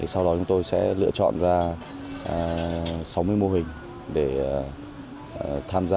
sau đó chúng tôi sẽ lựa chọn ra sáu mươi mô hình để tham gia